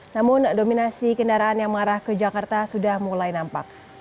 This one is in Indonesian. namun dominasi kendaraan yang mengarah ke jakarta sudah mulai nampak